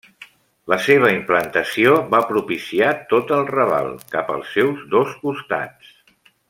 La seva implantació va propiciar tot el raval, cap als seus dos costats.